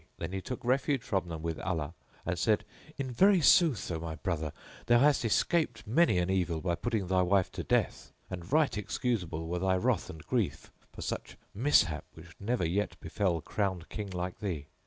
Then he took refuge from them with Allah and said, "In very sooth, O my brother, thou hast escaped many an evil by putting thy wife to death,[FN#9] and right excusable were thy wrath and grief for such mishap which never yet befel crowned King like thee.